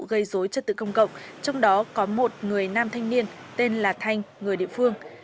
gây dối trật tự công cộng trong đó có một người nam thanh niên tên là thanh người địa phương